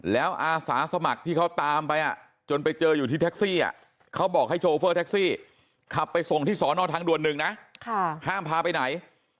แล้วอาสาสมัครที่เขาตามไปจนไปเจออยู่ที่แท็กซี่เขาบอกให้โชเฟอร์แท็กซี่ขับไปส่งที่สอนอทางด่วนหนึ่งนะห้ามพาไปไหน